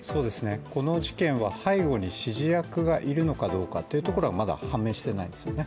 この事件は背後に指示役がいるのかどうかというところがまだ判明していないですよね。